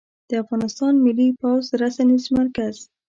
د افغانستان ملى پوځ رسنيز مرکز